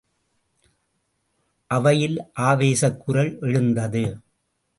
அவையில் ஆவேசக் குரல் எழுந்தது.